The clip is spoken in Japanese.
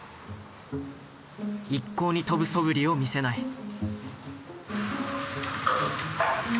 一向に飛ぶそぶりを見せない。